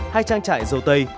hay trang trại dâu tây